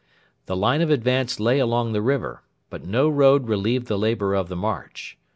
The line of advance lay along the river; but no road relieved the labour of the march.